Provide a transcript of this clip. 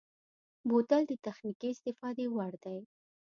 بوتل د تخنیکي استفادې وړ دی.